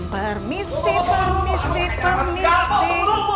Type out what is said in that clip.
permisi permisi permisi